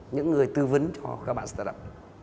những người tư vấn cho các bạn startup